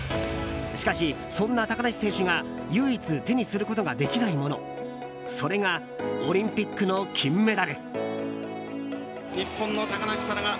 しかし、そんな高梨選手が唯一手にすることができないものそれがオリンピックの金メダル。